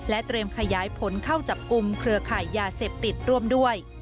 เตรียมขยายผลเข้าจับกลุ่มเครือข่ายยาเสพติดร่วมด้วย